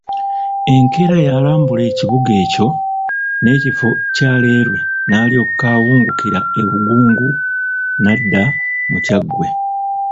Enkeera yalambula ekibuga ekyo n'ekifo kya railway n'alyoka awungukira e Bugungu n'adda mu Kyaggwe.